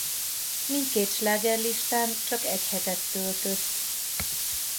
Mindkét slágerlistán csak egy hetet töltött.